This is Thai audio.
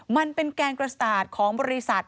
มันเป็นแกงกระสาดของบริษัท